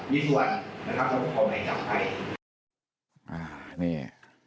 มีตรวจนะครับเธออยากกับใคร